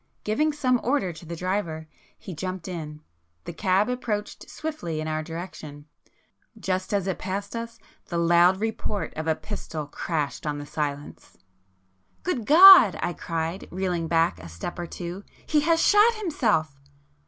Giving some order to the driver, he jumped in. The cab approached swiftly in our direction,—just as it passed us the loud report of a pistol crashed on the silence. "Good God!" I cried reeling back a step or two—"He has shot himself!"